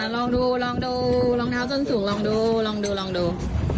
ลองดูรองเท้าส้นสูงลองดู